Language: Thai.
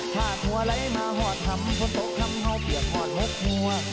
หาขัวไหลมาหอดหั่มพั้นตกถำห่อยเปรียบหอดหัวกหัวก